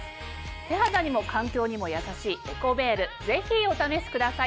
手肌にも環境にもやさしい「エコベール」ぜひお試しください。